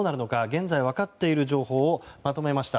現在分かっている情報をまとめました。